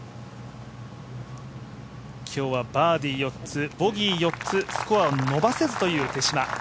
今日はバーディー４つ、ボギー４つスコア伸ばせずという手嶋。